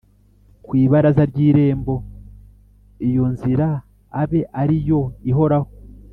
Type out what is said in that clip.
Kw Ibaraza Ry Irembo Iyo Nzira Abe Ari Yo ihoraho